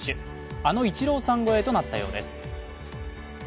あのイチローさん超えとなったようです。